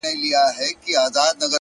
• اوس په خپله د انصاف تله وركېږي ,